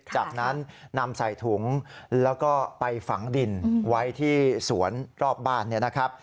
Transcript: จากนั้นนำใส่ถุงแล้วก็ไปฝังดินไว้ที่สวนรอบบ้านเนี่ยนะครับ